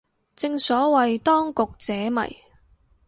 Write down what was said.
正所謂當局者迷